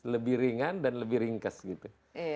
lebih ringan dan lebih ringkes gitu